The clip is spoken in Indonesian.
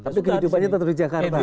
tapi kehidupannya tetap di jakarta